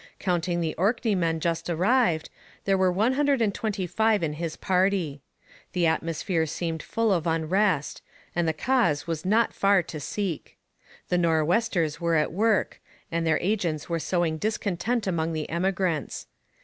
Counting the Orkneymen just arrived, there were one hundred and twenty five in his party. The atmosphere seemed full of unrest, and the cause was not far to seek. The Nor'westers were at work, and their agents were sowing discontent among the emigrants.